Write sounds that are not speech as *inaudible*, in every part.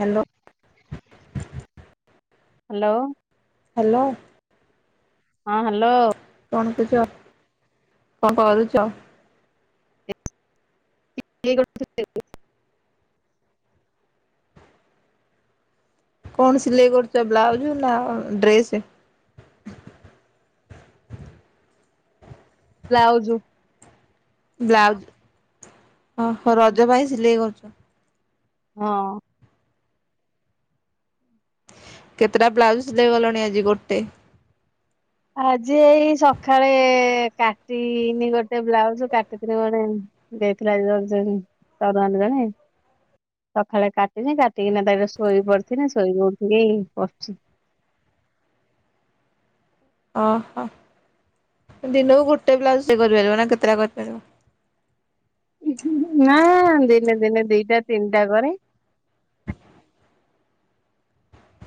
Hello. Hello. Hello. ହଁ hello. କଣ କୋଉଚ? କଁ କରୁଚ? ଇଏ *inaudible* କଣ ସିଲେଇ କରୁଚ ବ୍ଲାଉଜ୍ ନା ଡ୍ରେସେ? ବ୍ଲାଉଜୁ। ବ୍ଲାଉଜ୍ ଅହ ରଜ ପାଇଁ ସିଲେଇ କରୁଚ। ହଁ। କେତେଟା ବ୍ଲାଉଜ୍ ସିଲେଇ କଲଣି ଆଜି ଗୋଟେ? ଆଜି ଏଇ ସଖାଳେ କାଟିନି ଗୋଟେ ବ୍ଲାଉଜ କାଟିିଥିନି ଗୋଟେ ଦେଇଥିଲା ଏଇ ରଜନୀ ତରୁହାଁରୁ ଜଣେ। ସଖାଳେ କାଟିିନି। କାଟିକିନା ତାକୁ ଶୋଇ ପଡିି଼ଥିନି। ଶୋଇକି ଉଠିକି କରୁଚି। ଅହ ଦିନକୁ ଗୋଟେ ବ୍ଲାଉଜ ସିଲେଇ କରିପାରିବ ନା କେତେଟା କରିପାରିବ? ନାଁ ଦିନେ ଦିନେ ଦିଟା ତିନିଟା କରେ।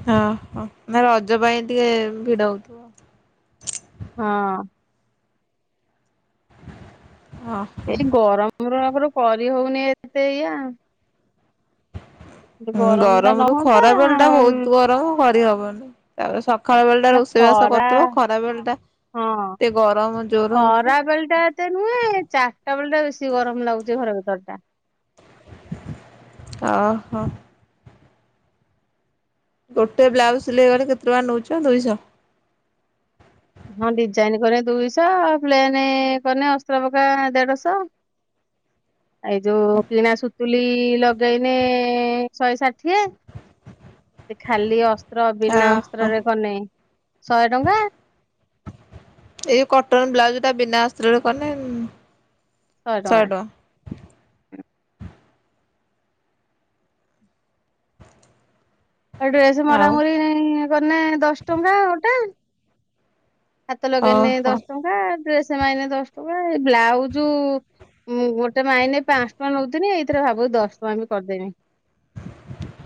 ହଁ ହ ନାଁ ରଜ ପାଇଁ ଟିକେ ଭିଡ଼ ହଉଥୁବ। ହଁ। ହଁ। ଏଇ ଗରମର ଆଖୁରୁ କରି ହଉନେଇ ଏତେ ଇଆ। ଉଁ ଗରମ ଟା ଗରମରୁ ନହୁଅନ୍ତା ଖରା ବେଳଟା ଭୋଉତ ଗରମ କରିରିହବନି। ତାପରେ ସଖାଳ ବେଳଟା ନା ରୋଷେଇ ବାସ ଖରା କରୁଥୁବ ଖରା ବେଳେଟା ଟିକେ ଗରମ ଜୋର ହଉଚି। ବେଲଟା ତେ ନୁହେଁ ଚାରିଟା ବେଳେଟା ବେଶୀ ଗରମ ଲାଗୁଚି ଘର ଭିତରଟା। ଅହ। ଗୋଟେ ବ୍ଲାଉଜ୍ ସିଲେଇ କନେ କେତେ ଟଙ୍କା ନୋଉଚ, ଦୁଇଶ? ହଁ ଡିଜାଇନ୍ କରେଁ ଦୁଇଶ ପ୍ଲେନେ କନେ ଅସ୍ତ୍ର ପକା ଦେଢ଼ଶ। ଆ ଏଇ ଯୋଉ କିଣା ସୁ ତୁଲି ଲଗେଇନେ ଶହେ ଷାଠିଏ। ସେ ଖାଲି ଅସ୍ତ୍ର ବିନା ଓହୋ ଅସ୍ତ୍ରରେ କନେ ଶଏ ଟଙ୍କା। ଏଇ କଟନ୍ ବ୍ଲାଉଜୁଟା ବିନା ଆସ୍ତ୍ରରେ କନେ ଶହେ ପାଇଁ। ଏ ଡ୍ରେସ୍ ଆଉ ମରାମରି କନେ ଦଶ ଟଙ୍କା ଗୋଟେ। ହାତ ଲଗେଇନେ ଓହୋ ଦଶ ଟଙ୍କା ଡ୍ରେସେ ମାଇନେ ଦଶ ଟଙ୍କା ଏ ବ୍ଲାଉଜୁ ମୁଁ ଗୋଟେ ମାଇନେ ପାଞ୍ଚ ଟଙ୍କା ନୋଉଥୁନି ଏଇଥର ଭାବୁଚି ଦଶ ଟଙ୍କା ବି କରିଦେମି।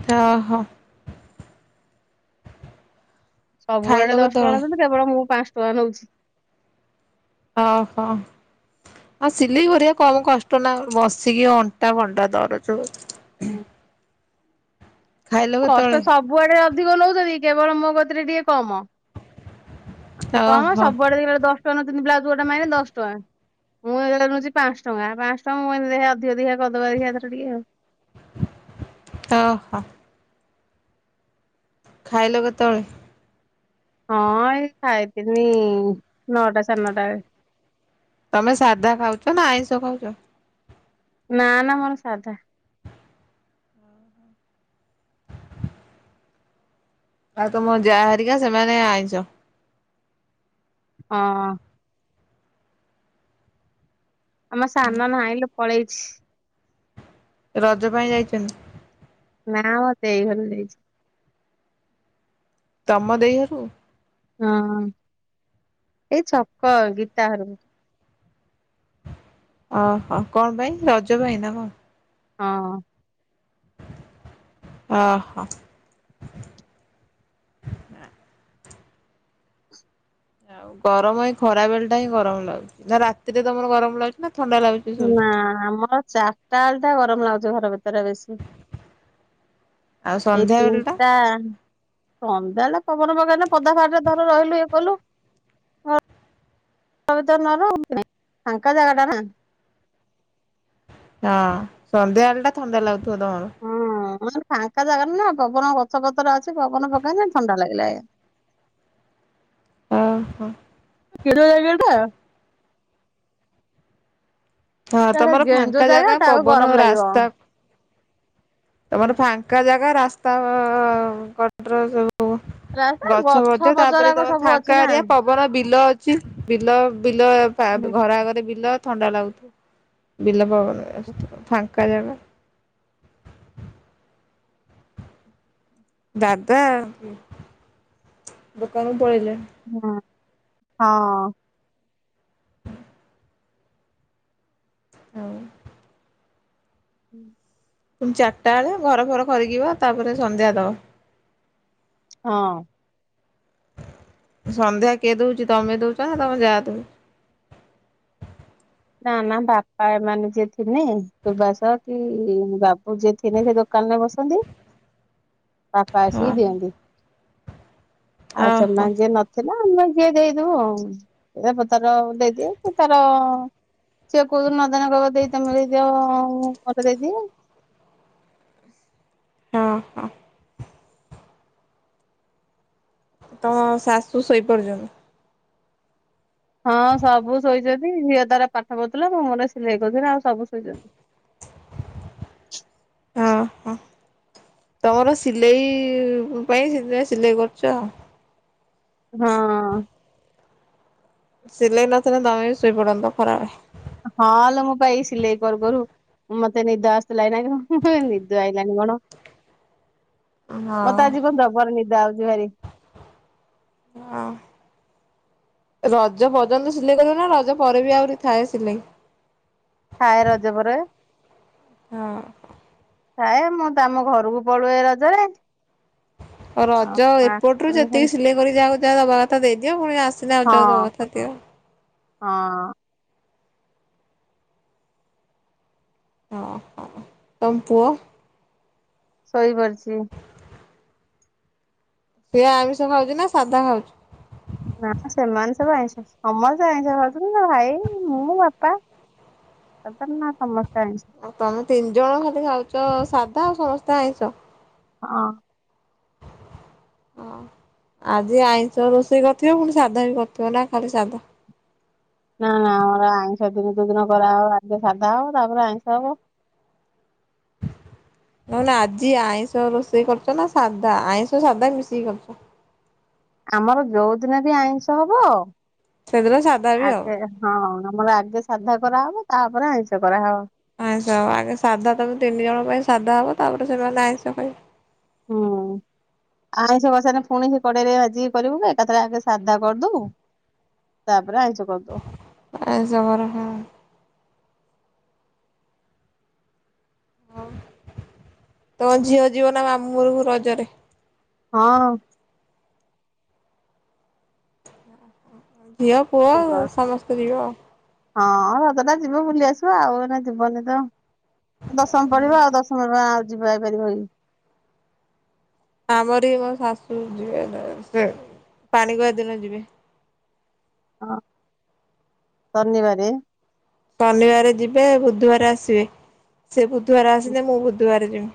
ତ ଓହୋ। ଖାଇଲ ସବୁଆଡେ ଦଶ ଟଙ୍କା କେତେବେଳେ ନୋଉଚନ୍ତି କେବଳ ମୁଁ ପାଞ୍ଚ ଟଙ୍କା ନୋଉଛି। ଅହୋ। ଆଉ ସିଲେଇ ବରିବା କମ କଷ୍ଟ ନା ବସିକି ଅଣ୍ଟା କଣ୍ଟା ଧରୁଚୁ। ହୁଁ। ଖାଇଲ ଦଶଟା କେତେବେଳେ ସବୁଆଡେ ଅଧିକ ନୋଉଚନ୍ତି କେବଳ ମୋ କତିରେ ଟିକେ କମ। ଆଉ କମ ଓହୋ ସବୁଆଡେ ଦେଖିଲାବେଳେ ଦଶ ଟଙ୍କା ନୋଉଚନ୍ତି ବ୍ଲାଉଜ ଗୋଟା ମାରିଲେ ଦଶ ଟଙ୍କା। ମୁଁ ଏଇଗୁଡା ନୋଉଚି ପାଞ୍ଚ ଟଙ୍କା ପାଞ୍ଚ ଟଙ୍କା ମୁଁ ଏନା ଦେଖିଆ ଅଧିକ ଦେଖିଆ କରିଦବା ଦେଖିଆ ଏଥର ଟିକେ ଆଉ। ଓହୋ। ଖାଇଲ କେତୋଳେ? ହଁ ଏଇ ଖାଇଥିନି ନଅଟା ସାଢ଼େ ନଅଟା ଏ ତମେ ସାଧା ଖାଉଚ ନା ଆଇଁଷ ଖାଉଚ? ନା ନା ମୋର ସାଧା। ଆଉ ତମ ଯାଆ ହାରିକା ସେମାନେ ଆଇଁଷ? ହଁ। ଆମ ସାନ ନାହିଁଲୋ ପଳେଇଛି। ରଜ ପାଇଁ ଯାଇଚନ୍ତି? ନା ଆମ ଦେଇ ଘରେ ଯାଇଚି। ତମ ଦେଇ ହରକୁ? ହଁ ଏଇ ଛକ ଗୀତା ହରକୁ। ଓହୋ କଣ ପାଇଁ ରଜ ପାଇଁ ନା କଣ? ହଁ। ଓହୋ। ଆଉ ଗରମ ଏ ଖରା ବେଳଟା ହିଁ ଗରମ ଲାଗୁଚି ନା ରାତିରେ ତମର ଗରମ ଲାଗୁଚି ନା ଥଣ୍ଡା ଲାଗୁଚି? ନା ଆମର ଚାରିଟା ବେଳଟା ଗରମ ଲାଗୁଚି ଘର ଭିତରେ ବେଶୀ। ଆଉ ଏଇ ସନ୍ଧ୍ୟା ବେଳ ଟା ତିନଟା ସନ୍ଧ୍ୟା ଏଳଟା ପବନ ପକେଇଲେ ପଦା ଭାରରେ ତୋର ରହିଲୁ ଇଏ କଲୁ ମାନେ ତୋର ନରହନ୍ତି ନା ଫାଙ୍କା ଜାଗାଟା ନା। ହଁ ସନ୍ଧ୍ୟାବେଳଟା ଥଣ୍ଡା ଲାଗୁଥୁବ ତମର। ହଁ ମାନେ ଫାଙ୍କା ଜାଗାରେ ନା ପବନ ଗଛ ପତର ଅଛି ପବନ ପକେଇନେ ଥଣ୍ଡା ଲାଗିଲା ଏଇଆ। ଓହୋ। କିଣିବେ ଜାଗାଟା? ହଁ ତାର ତମର ଗେଞ୍ଜ ଫାଙ୍କା ଜାଗା ତାକୁ ପବନ ଗରମ ଲାଗିବ ରାସ୍ତା ତମର ହୁଁ ଫାଙ୍କ୍ ଙ୍କା ଜାଗା ରାସ୍ତା କଡର ସବୁ ରାସ୍ତା ଗଛ ଫଛ ତାପରେ ପଚରାକ ତମର ସବୁ ଅଛି ଫାଙ୍କା ନା ଏରିଆ ପ ପ୍ରବଳ ବିଲ ଅଛି ବିଲ ବିଲ ପା ହୁଁ ଘର ଆଗରେ ବିଲ ଥଣ୍ଡା ଲାଗୁଥୁବ। ବିଲ ପବନ ବାଜଥୁବ ଫାଙ୍କା ଜାଗା। ଦାଦା ଦୋକାନକୁ ପଳେଇଲେ। ହଁ ହଁ। ଆଉ ହୁଁ। ତୁମ ଚାରଟା ବେଳେ ଘର ଫର ଖରିିକିବ ତାପରେ ସନ୍ଧ୍ୟା ଦବ। ହଁ। ସନ୍ଧ୍ୟା କିଏ ଦୋଉଚି ତମେ ଦୋଉଚ ନା ତମେ ଯାଆ ଦୋଉ ନା-ନା ବାପା ଏମାନେ ଯିଏ ଥିନେ, ସୁବାସ କି ବାବୁ ଯିଏ ଥିନେ ସେ ଦୋ କାନରେ ବସନ୍ତି। *inaudible* ବାପା ଓହୋ ଆସିକି ଦିଅନ୍ତି। ଆଉ ସେନ ଓହୋ। ଯିଏ ନ ଥିନେ ଆମେ ଯିଏ ଦେଇଦଉ ଆଉ, ରେବ ତାର ଦେଇଦିଏ ସିଏ ତାର ସିଏ କୋଉଦିନ ନଦେନେ କଇବ ଦେଇ ତେମେ ଦେଇଦିଅ ମତେ ଦେଇଦିଅ। ହଁ-ହଁ। ତମ ଶାଶୁ ଶୋଇପଡିଚନ୍ତି? ହଁ ସବୁ ଶୋଇଚନ୍ତି, ଝିଅ ତାର ପାଠ ପଢ଼ୁଥିଲା ମୁଁ ମୋର ସିଲେଇ *unintelligible* ଆଉ ସବୁ ଶୋଇଚନ୍ତି। ହଁ-ହଁ ତମର ସିଲେଇ ପାଇଁ ସେଥିପାଇଁ ସିଲେଇ କରୁଚ ଆଉ। ହଁ। ସିଲେଇ ନଥିଲେ ତମେ ବି ଶୋଇପଡନ୍ତ ଖରାବେଳେ। ହଁ ଲୋ ମୁଁ ପା ଏଇ ସିଲେଇ କରୁ-କରୁ ମତେ ନିଦ ଆସଥିଲା ଏଇନା *unintelligible* ନିଦ ଆଇଲାଣି କଣ। ମତେ ଆଜି କଣ ଜବର ନିଦ ଆଉଚି ଭାରି। ହଁ। ରଜ ପର୍ଯ୍ୟନ୍ତ ସିଲେଇ କରିବ ନା ରଜ ପରେ ବି ଆହୁରି ଥାଏ ସିଲେଇ? ଥାଏ ରଜ ପରେ। ହଁ। ଥାଏ, ମୁଁ ତ ଆମ ଘରୁକୁ ପଳୁଏ ରଜରେ। ଆଉ ରଜ ଏପଟ ରୁ ଆସିଥିଲି ଯେତିକି ସିଲେଇ କରି ଯାହାକୁ ଯାହା ଦବା କଥା ଦେଇ ଦିଅ ପୁଣି ଆସି କି ହଁ ଯାହାକୁ ଯାହା ଦବା କଥା ଦଅ। ହଁ। ତମ ପୁଅ? ଶୋଇପଡିଚି। ସିଏ ଆମିଷ ଖାଉଚି ନା ସାଧା ଖାଉଚି? ନା ସେମାନେ ସବୁ ଆଇଁଷ ସମସ୍ତେ ଆଇଁଷ ଖାଉଚନ୍ତି ଭାଇ ମୁଁ ବାପା *unintelligible* ନା ସମସ୍ତେ ଆଇଁଷ। ଆଉ ତମେ ତିନି ଜଣ ଖାଲି ଖାଉଚ ସାଧା ଆଉ ସମସ୍ତେ ଆଇଁଷ? ହଁ। ହଁ। ଆଜି ଆଇଁଷ ରୋଷେଇ କରିଥିବ, ପୁଣି ସାଧା ବି କରିଥିବ ନା ଖାଲି ସାଧା? ନା-ନା ଆମର ଆଇଁଷ ଦିନ ଯୋଉଦିନ କରାହବ ଆଗେ ସାଧା ହବ ତାପରେ ଆଇଁଷ ହବ। ନ-ନା ଆଜି ଆଇଁଷ ରୋଷେଇ କରିଚ ନା ସାଧା ଆଇଁଷ ସାଧା ମିଶିକି କରିଚ? ଆମର ଯୋଉଦିନ ବି ଆଇଁଷ ହବ ସେଦିନ ସାଧା ବି ଆଉ। ଆଗେ ହଁ ଆମର ଆଗେ ସାଧା କରାହବ ତାପରେ ଆଇଁଷ କରାହବ। ଆଇଁଷ ହବ, ଆଗେ ସାଧା ତମ ତିନି ଜଣ ପାଇଁ ସାଧା ହବ ତାପରେ ସେମାନେ ଆଇଁଷ ଖାଇବେ। ହୁଁ ଆଇଁଷ *unintelligible* ପୁଣି ସେ କଡେଇରେ ଭାଜିିକି କରିବୁ କାଇଁ ଏକାଥରେ ଆଗେ ସାଧା କରିଦଉ ତାପରେ ଆଇଁଷ କରିଦଉ। ଆ ଜବର ନିୟମ। ତମ ଝିଅ ଯିବ ନା ମାମୁଁ ଘରକୁ ରଜରେ? ହଁ। ଝିଅ ପୁଅ ସମସ୍ତେ ଯିବେ ଆଉ। ହଁ-ଅ-ଅ ରଜଟା ଯିବ ବୁଲି ଆସିବୁ ଆଉ ଯିବନି ତ ଦଶମ ପଢିବ ଆଉ ଦଶମ ଆଉ ଯିବା ଯାଇପାରିବ କି। ଆମର ହିଁ ମୋ ଶାଶୁ ଯିବେ ସେ ପାଣିଗୟା ଦିନ ଯିବେ। ହଁ ଶନିବାରେ। ଶନିବାରେ ଯିବେ ବୁଧବାର ଆସିବେ। ସେ ବୁଧବାର ଆସନ୍ତେ ମୁଁ ବୁଧବାର ଯିବି।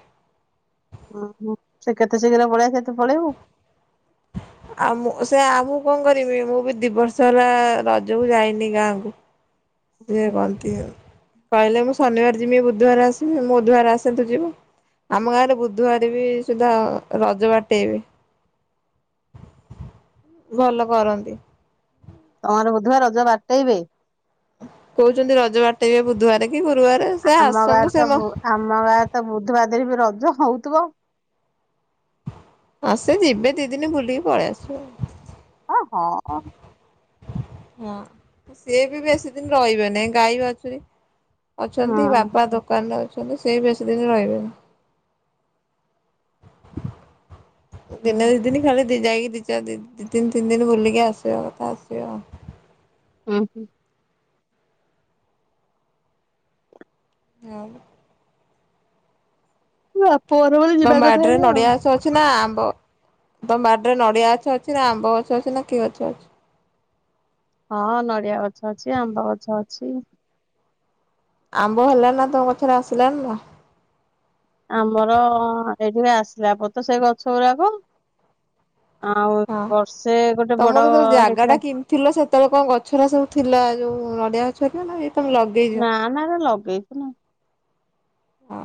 ଉ ହୁଁ ସେ କେତେ ଶୀଘ୍ର ପଳେଇ ଆସିବେ ତୁ ପଳେଇବୁ? ଆ ମୁଁ ସେ ଆମକୁ କଣ କରିବି ମୁଁ ବି ଦି ବର୍ଷ ହେଲା-ଆ-ଆ ରଜକୁ ଯାଇନି ଗାଁକୁ। ସିଏ କହନ୍ତି ଆଉ କହିଲେ ମୁଁ ଶନିବାର ଯିବି ବୁଧବାର ଆସିବି ମୁଁ ବୁଧବାର ଆସେ ତୁ ଯିବୁ। ଆମ ଗାଁରେ ବୁଧବାର ବି ସୁଧା ରଜ ବାଟେଇବେ। ଭଲ କରନ୍ତି। ତମର ବୁଧୁବାର ରଜ ବାଟେଇବେ? କହୁଛନ୍ତି ରଜ ବାଟେଇବେ ବୁଧବାରେ କି ଗୁରୁବାରେ ସେ ଆମ ଗାଁରେ ଆସନ୍ତୁ ତ ସେନ। ବୁ ଆମ ଗାଁ ତ ବୁଧୁବାରେ *unintelligible* ବି ରଜ ହଉଥିବ। ହଁ ସେ ଯିବେ ଦି ଦିନ ବୁଲିକି ପଳେଇ ଆସିବେ। ହଁ ହଁ ହଁ। ହଁ ସିଏ ବି ବେଶୀ ଦିନି ରହିବେନି ଗାଈ, ବାଛୁରୀ। ଅଛନ୍ତି ଉଁ ବାପା ଦୋକାନରେ ଅଛନ୍ତି ସେଇ ବେଶୀ ଦିନ ରହିବେନି। ଦିନେ ଦି ଦିନି ଖାଲି ଦି ଯାଇକି ଦି ଚାର ଦିନ ତିନି ଦିନ ବୁଲିକି ଆସିବା କଥା ଆସିବ ଆଉ। ହୁଁ। ହଁ। ମୋ ବାପ ଘର ବୋଲି ଯିବା କଥା ଆଜ୍ଞା ଆଉ। ଛି ନା ଆମ୍ବ ତମ ବାଡ଼ିରେ ନଡିଆ ଗଛ ଅଛି ନା ଆମ୍ବ ଗଛ ଅଛି ନା କିଏ ଗଛ ଅଛି? ହଁ ନଡିଆ ଗଛ ଅଛି, ଆମ୍ବ ଗଛ ଅଛି। ଆମ୍ବ ହେଲା ନା ତୋ କଛରେ ଆସିଲାନି ନା? ଆମର-ଅ-ଅ ଏଇଠିକେ ଆସିଲା ପରେ ତ ସେ ଗଛ ଗୁରାକ ଆଉ ହଁ। ବର୍ଷେ ଗୋଟେ ବଡ-ଅ-ଅ ହେଇଥିଲା ଥିଲା ସେତେବେଳେ କଣ ଗଛଗୁରା ସବୁ ଥିଲା ଯୋଉ-ଉ-ଉ-ଉ ନଡିଆ ଗଛ ହେରିକା ନା ଏଇ ତମେ ଲଗ ନା ନା ନା ଲଗେ ହଁ।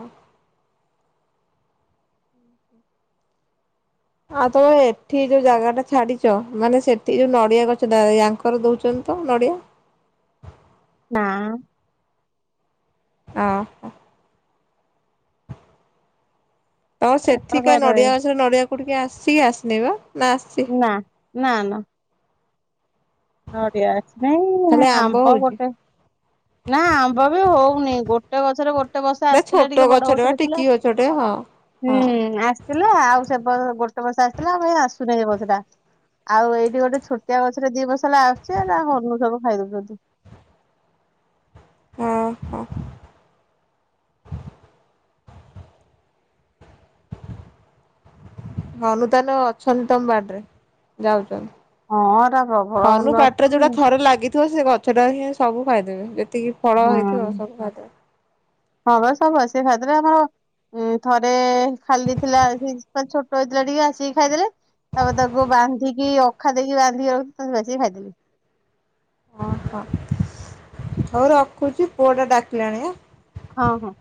ଆଉ ତମେ ଏଠି ଯୋଉ ଜାଗା ଟା ଛାଡିଛ ମାନେ ସେଠି ଯୋଉ ନଡିଆ ଗଛଟା ୟାଙ୍କର ଦଉଛନ୍ତି ତ ନଡିଆ? ନାଁ-ଆ-ଆ। ଓ ହଁ। ତ ସେଠି କା ତାଙ୍କର ବାରିରେ ନଡିଆ ଗଛରେ ନଡିଆକୁ ଟିକେ ଆସିକି ଆସିନି ବା ନା ଆସି ନା ନା ନା। ନଡିଆଛି ଖାଲି ନାଇଁ-ଇ-ଇ ଆମ୍ବ ହଉଛି ଗୋଟେ ନା ଆମ୍ବ ବି ହଉନି ଗୋଟେ ଗଛରେ ଗୋ ଗୋଟେ ବର୍ଷ ନା ଆସିଥିଲା ଛୋଟ ଟିକେ ବଡ ବା ଗଛଟେ ଥିଲା ଟିକି ଗଛଟେ ହଁ। ହଁ ହୁଁ-ଉ-ଉ ଆସ୍ ଥିଲା ଆଉ ସେ ବ-ଅ-ଅ ଗୋଟେ ବର୍ଷ ଆସିଥିଲା ଆଉ କାଇ ଆସୁନି ଏ ବସଟା। ଆଉ ଏଇଠି ଗୋଟେ ଛୋଟିଆ ଗଛରେ ଦି ବସ ହେଲା ଆସୁଛି ଏଟା ହନୁ ସବୁ ଖାଇଦେଉଛନ୍ତି। ଓ ହଁ। ହନୁ ତାହେଲେ ଅଛନ୍ତି ତମ ବାଡିରେ ହଁ ଏରା ଯାଉଛନ୍ତି। ପ୍ରବଳ ହନୁ ପାଟିରେ ଆସୁଛନ୍ତି ଯୋଉଟା ଥରେ ଲାଗି ଥିବ ସେ ଗଛଟା ହିଁ ସବୁ ଖାଇଦେବେ ଯେତିକି ଫଳ ହଁ ହେଇଥିବ ସବୁ ଖାଇଦେବେ। ହଁ ବା ସବୁ ଆସି ଖାଇଦେଲେ ଆମର। ହୁଁ ଥରେ-ଏ-ଏ ଖାଲି ଥିଲା ଆସିକି ମାନେ ଛୋଟ ହେଇଥିଲା ଟିକେ ଆସିକି ଖାଇଦେଲେ। ତାପରେ ତାକୁ ବାନ୍ଧିକି ଅଖା ଦେଇକି ବାନ୍ଧିକି ବାସିକି ଖାଇଦେବି। ଓହୋ ହଉ ରଖୁଛି ପୁଅ ଟା ଡାକିଲାଣି ଆ? ହଁ ହଁ।